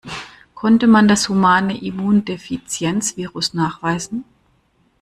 Konnte man das Humane Immundefizienz-Virus nachweisen?